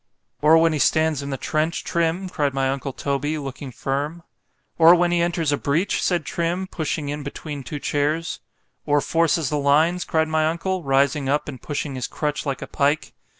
——Or when he stands in the trench, Trim? cried my uncle Toby, looking firm.——Or when he enters a breach? said Trim, pushing in between two chairs.——Or forces the lines? cried my uncle, rising up, and pushing his crutch like a pike.